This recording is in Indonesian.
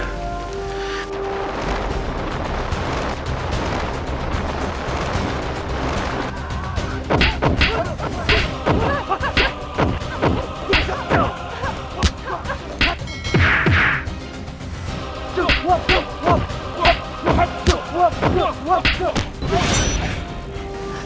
jangan lupa untuk berlangganan